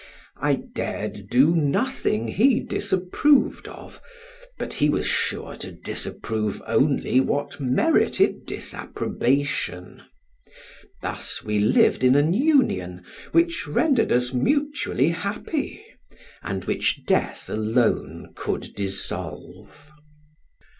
I dared do nothing he disproved of, but he was sure to disapprove only what merited disapprobation: thus we lived in an union which rendered us mutually happy, and which death alone could dissolve.